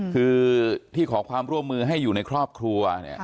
คือที่ขอความร่วมมือให้อยู่ในครอบครัว